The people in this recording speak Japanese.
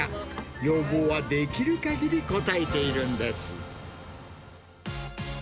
要望はできるかぎり応えているんです。